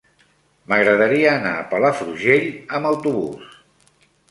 M'agradaria anar a Palafrugell amb autobús.